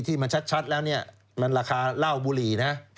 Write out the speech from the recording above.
ที่มันชัดแล้วเนี่ยมันราคาเหล้าบุหรี่นะ